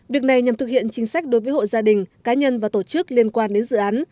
việc này nhằm thực hiện chính sách đối với hộ gia đình cá nhân và tổ chức liên quan đến dự án